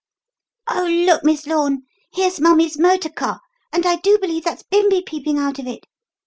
"Oh, look, Miss Lorne; here's mummie's motor car; and I do believe that's Bimbi peeping out of it!"